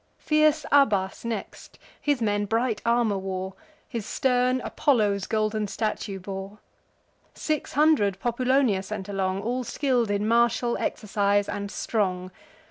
Fierce Abas next: his men bright armour wore; His stern Apollo's golden statue bore. Six hundred Populonia sent along, All skill'd in martial exercise, and strong.